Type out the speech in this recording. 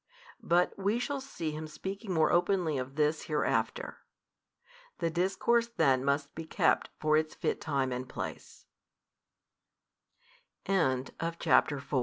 But we shall see Him speaking more openly of this hereafter. The discourse then must be kept for its fit time and place. |348 CHAPTER V.